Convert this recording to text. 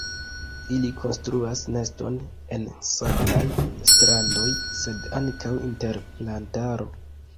Ili konstruas neston en sablaj strandoj sed ankaŭ inter plantaro.